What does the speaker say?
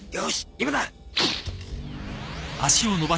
今だ！